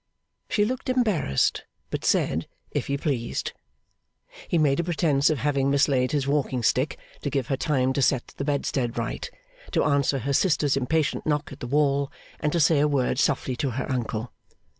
She looked embarrassed, but said, if he pleased. He made a pretence of having mislaid his walking stick, to give her time to set the bedstead right, to answer her sister's impatient knock at the wall, and to say a word softly to her uncle.